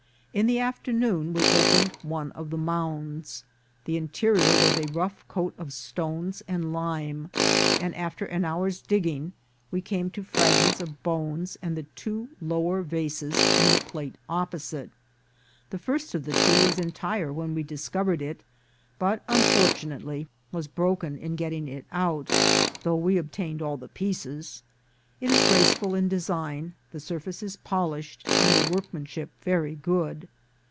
In the afternoon we opened one of the mounds. The interior was a rough coat of stones and lime, and after an hour's digging we came to fragments of bones and the two lower vases in the plate opposite. The first of the two was entire when we discovered it, but, unfor tunately, was broken in getting it out, though we ob tained all the pieces. It is graceful in design, the sur face is polished, and the workmanship very good.